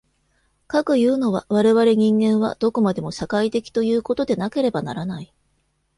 かくいうのは、我々人間はどこまでも社会的ということでなければならない。